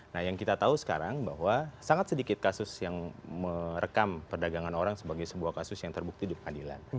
nah yang kita tahu sekarang bahwa sangat sedikit kasus yang merekam perdagangan orang sebagai sebuah kasus yang terbukti di pengadilan